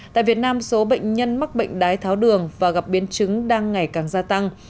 tại việt nam số bệnh nhân mắc bệnh đái tháo đường và gặp biến chứng đang ngày càng gia tăng